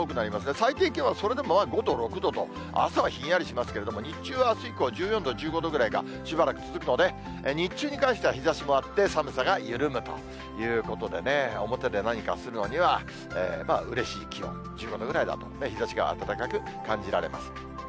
最低気温はそれでも５度、６度と、朝はひんやりしますけれども、日中はあす以降、１４度、１５度ぐらいがしばらく続くので、日中に関しては日ざしもあって、寒さが緩むということで、表で何かするのにはうれしい気温、１５度ぐらいだと、日ざしが暖かく感じられます。